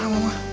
kau mah mah mah